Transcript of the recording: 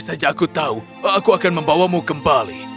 soalnya aku tahu bahwa aku akan membawamu kembali